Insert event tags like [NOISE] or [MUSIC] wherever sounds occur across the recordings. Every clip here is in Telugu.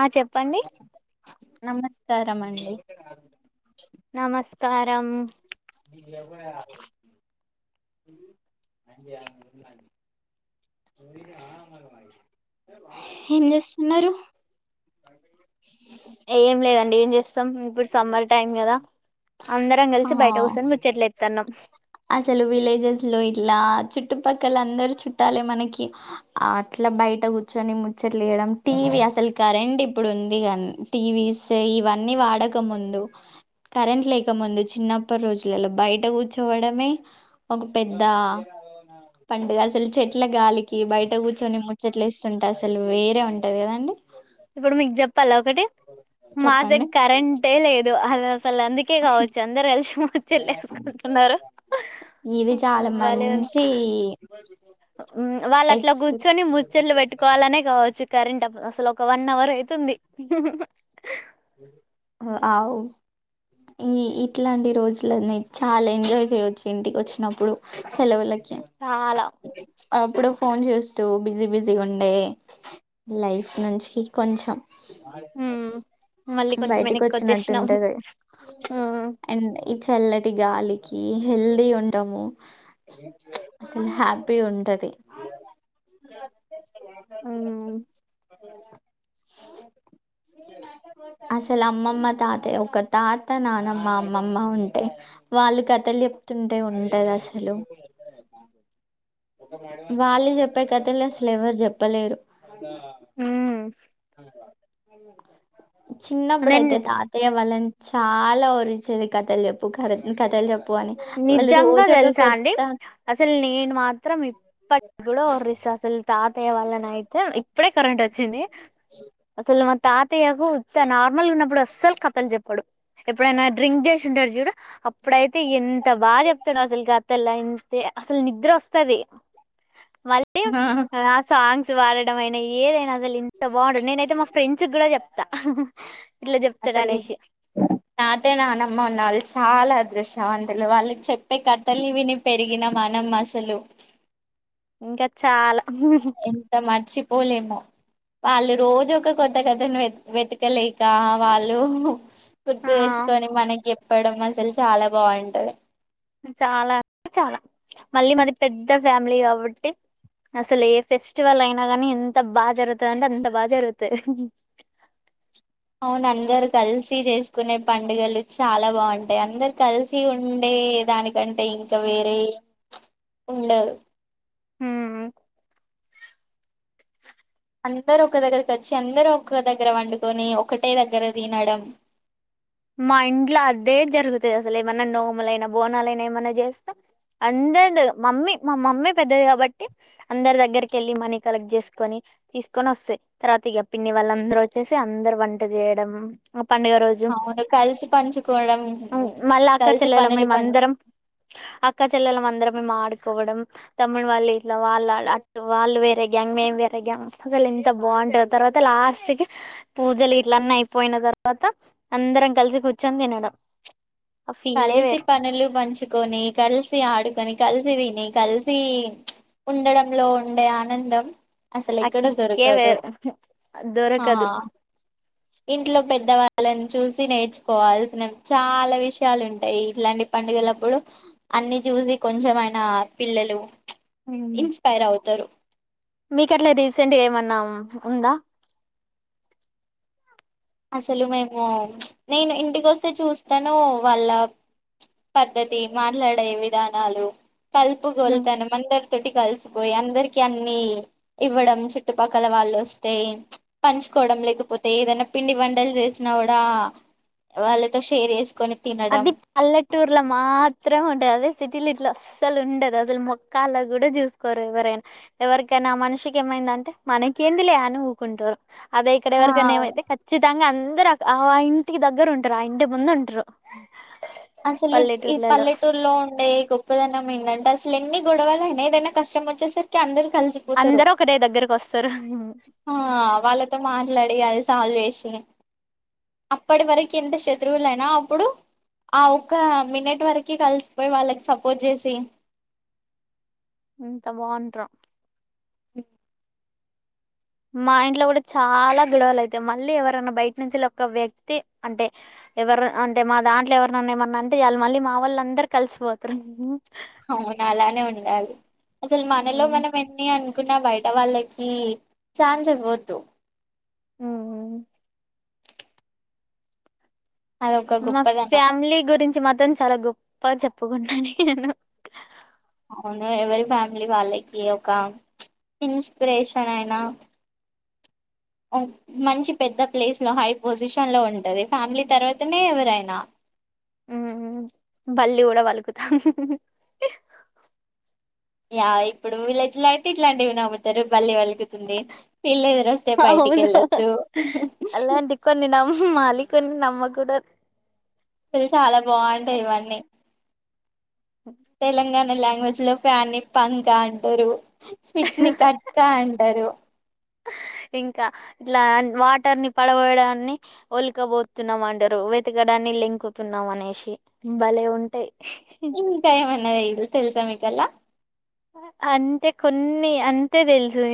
ఆ చెప్పండి స్కారామ్ అండి ఆ కరం ఇ ఎ కూడా ఏం చేస్తున్నారు ఎం చే ఇప్పుడు సమ్మర్ టైమ్ కదా అందరం ఆ కలిసి బయట కూచొని ముచ్చట్లు ఎస్తన్నాం అసలు విలేజెస్ లో ఇట్లా చుట్టుపక్కల అందరు చుట్టాలే మనకి, అట్లా బయట కూర్చొని ముచ్చట్లేయడం, టీవీ అసలు కరెంట్ ఇప్పుడు ఉంది కానీ టీవీస్ ఇవన్నీ వాడక ముందు కరెంట్ లేక ముందు చిన్నప్ప రోజులలో బయట కూర్చోవడమే, ఒక పెద్ద పండుగ అసలు చెట్ల గాలికి బయట కూర్చొని ముచ్చట్లు వేస్తుంటా అసలు వేరే ఉంటది కదండి. ఇప్పుడు మీకు చెప్పాలా ఒకటి మా సైడ్ చెప్పండి కరెంట్ చేయలేదు అ అసలు అందుకే కావచ్చు అందరు కలిసి మ ఇది చాలా భలే మంచి వాళ్ళు అట్లా ఎక్స్పీరియన్స్ కూర్చొని ముచ్చళ్లు పెట్టుకోవాలనే కావచ్చు కరెంట్ వా అసలు ఒక వన్ అవర్ అయితుంది అవు ఈ ఇట్లాంటి రోజులన్నీ చాలా ఎంజాయ్ చేయొచ్చు ఇంటికి వచ్చినప్పుడు సెలవులకి చాలా ఎప్పుడో ఫోన్ చూస్తూ బిజీ బిజీ ఉండే లైఫ్ నుంచి కొంచం [INAUDIBLE] ఉమ్, మళ్ళీ కొంచెం వెనక్కి వచ్చేసినాం హ్మ్ అండ్ ఈ చల్లటి గాలికి హెల్తీ ఉంటాము అసలు హ్యాపీ ఉంటది ఉమ్, ఆ అసలు అమ్మమ్మ తాత ఒక తాత నానమ్మ అమ్మమ్మ ఉంటే వాళ్ళు కథలు చెప్తుంటే ఉం వాళ్ళు చెప్పే కథలు అసలు ఎవరు చెప్పలేరు ఉమ్. నేను చిన్నబ్బుడయితే తాతయ్య వాళ్ళని చాలా ఓరిచేది కథలు చెప్పు కర కథలు చె నిజంగా తెలుసా అండి అసలు నేను మా మాత్రం ఇప్పటికి గూడా ఓర్రిస్తా అసలు తాతయ్య వాళ్ళనైతే ఇప్పుడే కరెంట్ వచ్చింది అసలు మ తాతయ్యకు ఉత్త నార్మల్ గా ఉన్నప్పుడు అస్సలు కథలు చెప్పడు ఎప్పుడైనా డ్రింక్ చేసి ఉంటడు చూడు అప్పుడైతే ఎ ంత బాగా చెప్తాడు అసలు కథలంటే అసలు నిద్ర వస్తది మళ్ళీ ఆ సాంగ్ వాడడం అయినా ఏదైనా అసలు ఇంత బా [UNINTELLIGIBLE] నేనయితే మా ఫ్రెండ్స్ కూడా చెప్తా ఇట్లా చెప్తాడు అసలు అనేసి తాతయ్య నానమ్మ ఉన్నా వాళ్ళు చాలా దృశ్యవంతులు వాళ్ళకి చెప్పే కథలు విని పెరిగిన మనం అసలు ఇంకా చాలా ఎంత మర్చి పోలేమో వాళ్ళు రోజు ఒక కొత్త కథను వె వెతకలేక వాళ్ళు గుర్తు ఆ తెచ్చుకొని మనకి చె చెప్పడం అసలు చాలా బాంటది చాలా అంటే చాలా మళ్ళీ మాది పెద్ద ఫ్యామిలీ కాబట్టి అసలు ఏ ఫెస్టివల్ అయినా కానీ ఎంత బాగా జరుగుతుందింటే అంత బాగా జరుగుతది అవును అందరు కలిసి చేసుకునే పండుగలు చాలా బాగుంటాయి అందరు కలిసి ఉండే దానికంటే ఇంకా వేరే ఉండరు హ్మ్ అందరు ఒక దగ్గరకి వచ్చి అందరు ఒక దగ్గర వండుకొని ఒకటే దగ్గర తినడం మా ఇంట్లో అదే జరుగుతది అసలు ఏమన్నా నోములైనా బోనాలైనా ఏమైన్నా చేస్తే అందరి మమ్మీ మా మమ్మీ పెద్దది కాబట్టి అందరి దగ్గరకి వెళ్ళి మనీ కలెక్ట్ చేసుకొని తీసుకొని వస్తాయి తర్వాత ఇక పిన్ని వాళ్ళ అందరు వచ్చేసి అందరు వంట చేయడం పండుగ రోజు అవును కలిసి పంచుకోవడం మళ్ళా అక్క కలిసి పనులు పం చెల్లల అందరం మేము ఆడుకోవడం తమ్ముడు వాళ్ళు ఇలా ఇట్లా వాళ్ళు వేరే గ్యాంగ్ మేం వేరే గ్యాంగ్ అసలు ఇంత బాగుంటంది తర్వాత లాస్ట్ కి పూజలు ఇట్ల అన్న అయిపోయిన తర్వాత అందరం కలిసి పోవడం తమ్ముడు కలిసి కూర్చొని తినడం ఫీలే కలిసి వేరు పనులు పంచుకొని కలిసి ఆడుకొని కలిసి మంచిది మేం కలిసి ఉండడంలో ఉండే ఆనందం అసలు ఆ ఎక్కడ కిక్కే దొరకదు వేరు ఉహూ దొరకదు ఆ ఇంట్లో పెద్దవాళ్ళని చూసి నేర్చుకోవాల్సినవి చాలా విషయ చాల ఉంటాయి ఇట్లాంటి పండుగలప్పుడు అన్ని చూసి కొంచెంమయినా పిల్లలు ఇన్స్పైర్ అవుతారు మీకీ అట్లా రీసెంట్ ఏమన్నా ఉందా అసలు మేము నేను ఇంటికొస్తే చూస్తాను వాళ్ళ పద్ధతి మాట్లాడే విధానాలు కల్పు గొల్తనం అందరూ అంటే కలిసిపోయి అందరికి అన్ని ఇవ్వడం చుట్టుపక్కల వాళ్ళు వస్తే పంచుకోవడం లేకపోతే ఐఏదైనా పిండి వంటలు చేసినా కూడా వాళ్ళతో షేర్ చేసి అది పల్లెటూర్లో మాత్రం ఉంటది అదే సిటీలో ఇట్లా అస్స అసలు ఉండదు అసలు మొక్కలా కూడా చూసుకోరు ఎవరైనా ఎవరికైనా ఆ మనిషికి ఏమైంద అంటే మనకేంది లే అని ఊకుంటారు అదే ఇక్కడ ఎవరికన్నా ఆ ఏమన్నా అయితే ఖచ్చితంగా అందరూ దగ్గర ఆ ఇంటి దగ్గర ఉంటారు ఆ ఇంటి ముందు ఉంటారు అ అసలు ఈ పల్లెటూరులో ఉండే గొప్పదనం ఏంటంటే అసలు ఎన్ని గొడవలనా ఏదైనా కష్టం వచ్చేసరికి అందరు కలిసిపోతారు అందరు ఒకటే దగ్గరకు వస్తారు ఆ వాళ్ళతో మాట్లాడి అది సాల్వ్ చేేసి అప్పటి వరకు ఎంత శత్రువులయినా అప్పుడు ఆ ఒక్క మినిట్ వరకి కలిసిపోయి వాళ్ళకి సపోర్ట్ చేసి ఎంత బాగుంటరో మా ఇంట్లో కూడా చాలా గొడవలు అయితాయి మళ్ళీ ఎవరనా బయట నుంచి ఒక వ్యక్తి అంటే ఎవరు అంటే మా దాంట్లో ఎవరినన్నా ఏమన్నా అంటే చాలు మా వాళ్ళు అందరు కలిసిపోతారు అవును అలానే ఉండాలి అసలు మనలో ఉమ్ మనం ఎన్ని అన్ అనుకున్న బయట వాళ్ళకి ఛాన్స్ ఇవ్వద్దు ఉమ్ అదొక మా గొప్పదనం ఫ్యామిలీ గురించి మాత్రం చాలా గొప్ పర్ చెప్పుకుంటా నేను అవును ఎవరి ఫ్యామిలీ వాళ్ళకి ఒక ఇన్స్పిరేషన్ అయినా మంచి పెద్ద ప్లేస్ లో హై పొజిషన్ లో ఉంటుంది ఫ్యామిలీ తర్వాతనే ఎవరైనా ఊ బళ్లి కూడా పలుకుతాం యా ఇప్పుడు విలేజ్ లో అయితే ఇట్లాంటివి నమ్ముతారు బళ్లి పలుకుతుంది వీల అవును అలాంటి కొన్ని నమ్మాలి కొన్ని నమ్మక కూడదు తెలుసా చాలా బాగుంటాయి ఇవన్నీ తెలంగాణ స్ లో ఫ్యాన్ పంక అంటారు స్పిచ్ ని కట్ అని అంటారు ఇంకా ఇట్లా వాటర్ ని పడవయడాన్ని ఒలికబతున్నామ అంటారు వెతకడాన్ని లెంకుతున్నాం అనేసి భలే ఉంటేయి ఇంకా ఏమన్నా ఇమన్న తెల్సా మీకళ్ళ అంతే కొన్ని అంతే తెలుసు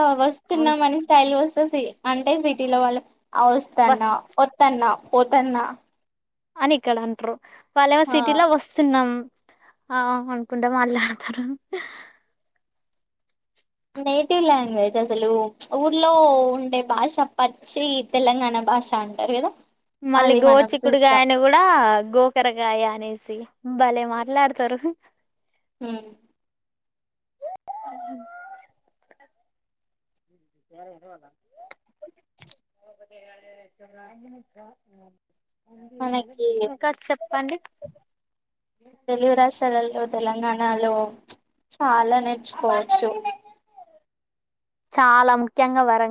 అ వస్తున్నాం మన స్టైల్ వస్తు సి అంటే సిటీలో వాళ్ళు ఆ వస్ వస్తాన్న వత్తన్న పోతన్నా అని ఇక్కడ అంటరు వాళ్లేమో ఆ సిటీలో వస్తున్నాం ఆ అనుకుంట మళ తర నేటివ్ లాంగ్వేజ్ అసలు ఊర్లో ఉండే భాష పచ్చి తెలంగాణ భాష అంటారు కదా మళ్ళీ అది మనం చూస్తాం గోచిక్కుడుకాయని కూడా గోకరకాయ అనేసి భలే మాట్లాడతారు ఉమ్, స మనకి ఇంకా చెప్పండి తెలుగు రాష్ట్రాలలో తెలంగాణ లో చాలా నేర్చుకోవచ్చు చాలా ముఖ్యంగా వరం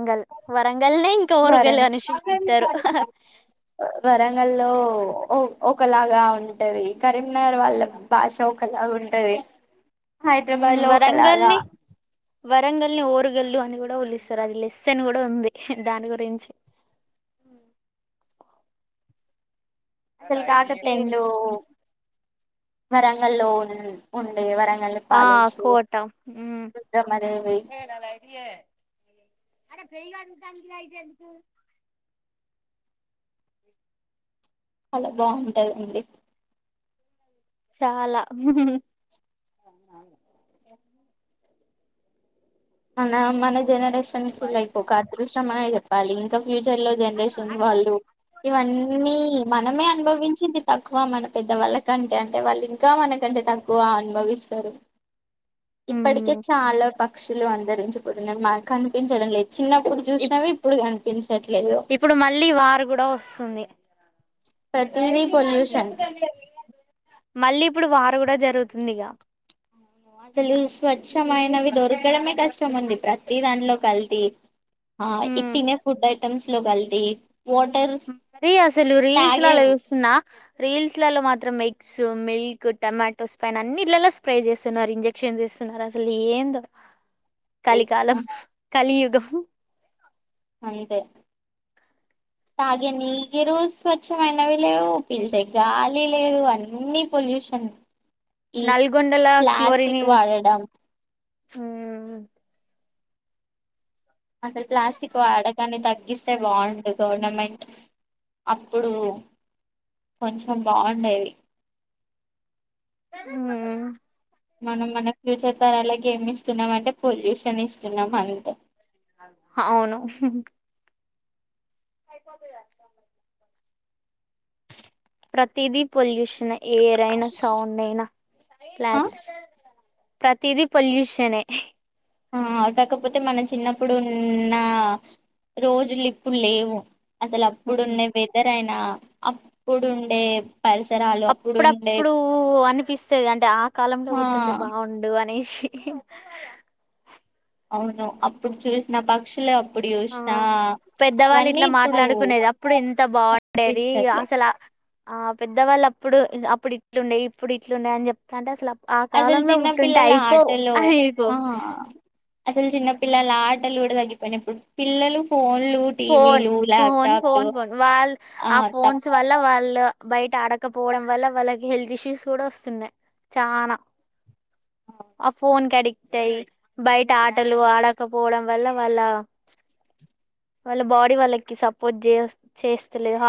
వరం అనేసి పిలుత్తారు వరంగల్లో ఓ ఒకలాగా ఉంటది కరీంనగర్ వాళ్ళ భాష ఒకలాగా ఉంటది ఉమ్ హైదరాబాద్ లో ఒకలాగా వరంగల్ని వరంగల్ని ఓ ఓరుగల్లు అని కూడ పిలుస్తారు అది లెసన్ కూడా ఉంది దాని గురించి అసలు కాకతీయులు టెన్త్ వరంగల్లో ఉ ఉండే వరంగ ఆ కోట ఉ రుద్రమదేవి చాల బాగుంటదండి చాలా మన మన జనరేషన్ చిన్న పిల్ల ఐపో లైక్ ఒక అదృష్టం అనే చెప్పాలి. ఇంకా ఫ్యూచర్ లో జనరేషన్ వాళ్ళు ఇవన్నీ మనమే అనుభవించింది తక్కువ మనం. పెద్దవాళ్ళకంటే అంటే వాళ్ళు ఇంకా మనకంటే తక్కువ అనుభవిస్తారు ఇప్పటికే మ్మ్ చాల పక్క అందరించిపోతున్నా మా కనిపించడం లేదు చిన్నప్పుడు ఇప్ చూసినవి ఇప్పుడు కన్ ఇప్పుడు మళ్ళీ వారు కూడా వస్తుంది ప్రతి తిది పొల్యూషన్ మళ్ళీ ఇప్పుడు వారు కూడా జరుగుతుందిగా అసలు స్వచ్ఛమైనవి దొరకడమే కష్టం ఉంది ప్రతిీ దాంట్లో కల్తీ ఆ ఇ మ్మ్ తినే ఫుడ్ అయి టం స్లో కల్తీ వాటర్ మరి అసలు తాగే రీల్స్లలో చూస్తున్నా రీల్స్ లలో మాత్రం మిక్స్ మిల్క్ టొమాటో స్పైన్ అన్నిలలా స్ప్రే చేస్తున్నారు ఇంజక్షన్ చేస్తున్నారు అసలు ఏందో కలిికాలం కలియుగం అంతే తాగే నీరు స్వచ్ఛమైనవి లేవు పీల్చే గాలి లేవు అన్నిీ పొల్యూషన్ ఈ నల్గొండలా క్లోరిన్ ప్లాస్టిక్ వాడడం హు అసలు ప్లాస్టిక్ వాడకన్ని తగ్గిస్తే బాగుండు గవర్నమెంట్ అప్పుడు కొంచెం బాగుండేది హు మనం మన ఫ్యూచర్ తరలాకి ఏమి ఇస్తున్నాం అంటే పొల్యూషన్ ఇస్తున్నాం అంతే అవును అయిపోతది అంట ప్రతిదీ పొల్యూషనే ఏరైనా సౌండ్ అయినా ఆ క్లాస్ ప్రతిదీ పొల్యూషన్ ఏ ఆ కాకపోతే మనం చిన్నప్పుడు ఉన్న రోజులు ఇప్పుడు లేవు అసలు ఉమ్. అప్పుడున్న వెదర్ అయినా అప్పుడుండే పరిసరాలు అప్పుడుండే అప్పుడప్పుడు అనిపిస్తది అంటే ఆ కాలంలో ఆ పుట్టుండే బాగుండు అనేసి అవును అప్పుడు చూసిన పక్షులే ఆ పెద్దవాళ్ళు ఇట్లా ఇప్పుడు మాట్లాడుకునేది అప్పుడు ఎంత బాగుండేది కనిపించట్లే అసలు ఆ పెద్దవాళ్ళ ఇప్పుడు అప్పుడు ఇట్లుండే ఇప్పుడు ఇట్లుండే అని చెప్తుంటే అసలు ఆ అసలు కాలంలో చిన్న పుట్టుంటే పిల్లల అయిపోవు ఆటలో అయిపోవు ఆ అసలు చిన్నపిిల్లలు ఆటలు కూడా తగగిపోయిన ఇప్పుడు పిల్లలు phone phone phone phone phone వాళ్ళ ఆ ఫోన్స్ వల్ల వాళ్ళు ళ్ళ బయట ఆడకపోవడం వల్ల వాళ్ళకి హెల్త్ ఇష్యూస్ కూడా వస్తున్నాయి చనా తప్ తాయి బయట ఆటలు ఆడకపోవడం వల్ల వాళ్ళ వాళ్ళ బాడీ వాళ్ళకి సపోర్ట్ చే చేస్తలేదు హ